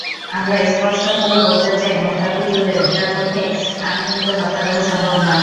আমরা স্পষ্টভাবে বলতে চাই, মোস্তাফিজুরের একার পক্ষে আমিনুলকে হত্যা করা সম্ভব না।